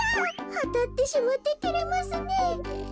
あたってしまっててれますねえ。